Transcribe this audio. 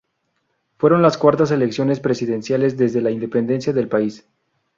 Fueron las cuartas elecciones presidenciales desde la independencia del país.